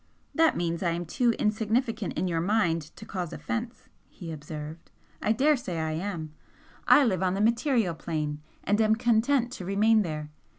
"That means I am too insignificant in your mind to cause offence," he observed "I daresay I am. I live on the material plane and am content to remain there.